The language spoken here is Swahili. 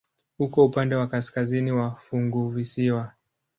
Uko upande wa kaskazini wa funguvisiwa.